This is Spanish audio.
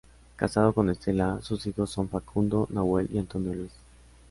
Casado con Estela, sus hijos son Facundo, Nahuel y Antonio Luis.